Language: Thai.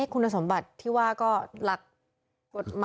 คุณสมบัติที่ว่าก็หลักกฎหมาย